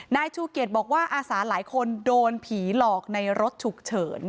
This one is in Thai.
นายชูเกียจบอกว่าอาสาหลายคนโดนผีหลอกในรถฉุกเฉิน